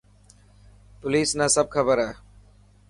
پوليس نا سب کبر هي.